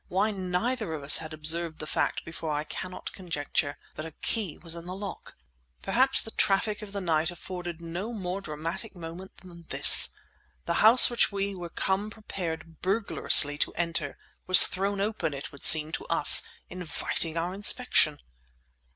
Why neither of us had observed the fact before I cannot conjecture; but a key was in the lock! Perhaps the traffic of the night afforded no more dramatic moment than this. The house which we were come prepared burglariously to enter was thrown open, it would seem, to us, inviting our inspection!